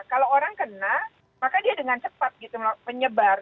kalau orang kena maka dia dengan cepat gitu menyebar